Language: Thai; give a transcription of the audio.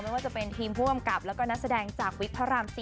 ไม่ว่าจะเป็นทีมผู้กำกับแล้วก็นักแสดงจากวิกพระราม๔